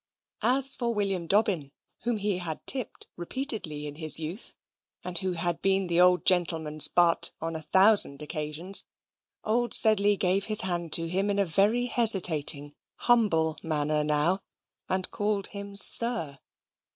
As for William Dobbin, whom he had tipped repeatedly in his youth, and who had been the old gentleman's butt on a thousand occasions, old Sedley gave his hand to him in a very hesitating humble manner now, and called him "Sir."